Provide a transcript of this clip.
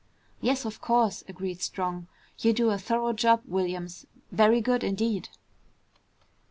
"Yes, of course," agreed Strong. "You do a thorough job, Williams. Very good indeed!"